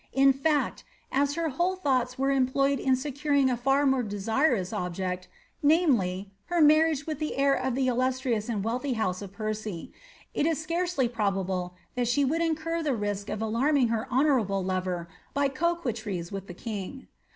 In &CU as her whole thoughts were employed in securiag a &r more desim^ Ue object, namely, her marriage with the heir of the illustrious and wealthy house of Percy, it b scarcely probable that she would incur the risk of alarming her honourable lover by coquetries with the king.